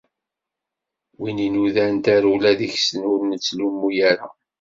Wid i nudan tarewla deg-sen ur nettlummu ara.